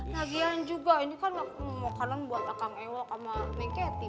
lagian juga ini kan makanan buat akang ewok sama neng kety